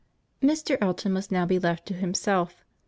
CHAPTER XI Mr. Elton must now be left to himself.